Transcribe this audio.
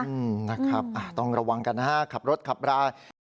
อืมนะครับต้องระวังกันนะฮะขับรถขับรา